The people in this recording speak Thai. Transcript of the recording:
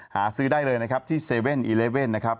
หาซื้อได้เลยนะครับที่๗๑๑นะครับ